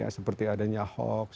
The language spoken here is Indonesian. seperti adanya hoax